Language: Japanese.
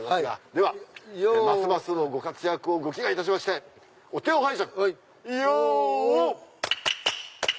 ではますますのご活躍をご祈願いたしましてお手を拝借。